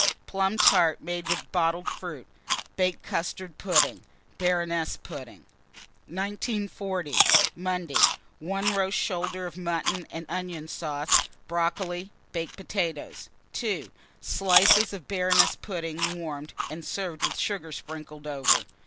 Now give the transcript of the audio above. Plum tart made with bottled fruit, baked custard pudding, Baroness pudding. 1940. Monday. 1. Roast shoulder of mutton and onion sauce, brocoli, baked potatoes. 2. Slices of Baroness pudding warmed, and served with sugar sprinkled over.